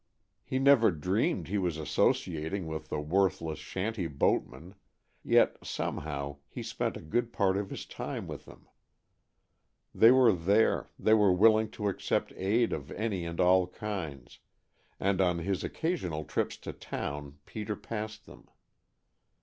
He never dreamed he was associating with the worthless shanty boatmen, yet, somehow, he spent a good part of his time with them. They were there, they were willing to accept aid of any and all kinds, and on his occasional trips to town Peter passed them.